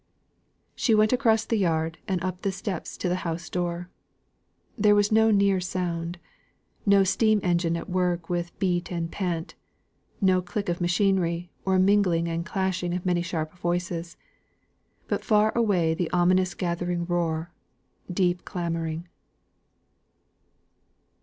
She went across the yard and put up the steps to the house door. There was no near sound, no steam engine at work with beat and pant, no click of machinery, no mingling and clashing of many sharp voices; but far away, the ominous gathering roar, deep clamouring.